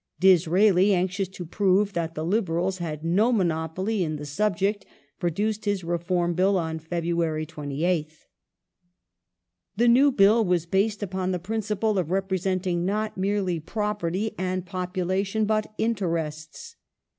Disraeli, anxious to prove that the Liberals had no monopoly in the subject, produced his Reform Bill on February 28th. Disraeli's The new Bill was based upon the principle of representing not merely property and population but interests.